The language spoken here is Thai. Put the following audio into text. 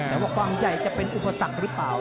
แต่ว่าความใหญ่จะเป็นอุปสรรคหรือเปล่า